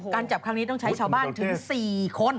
จับครั้งนี้ต้องใช้ชาวบ้านถึง๔คน